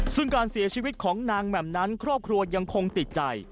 ซึ่งการเสียชีวิตของนางแหม่มนั้นครอบครัวยังคงติดใจ